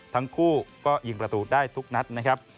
ทั้งคู่ก็ยิงประตูได้ทุกนัดนะครับ